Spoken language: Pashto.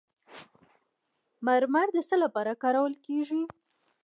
مرمر د څه لپاره کارول کیږي؟